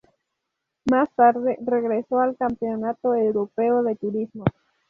Más tarde regresó al Campeonato Europeo de Turismos.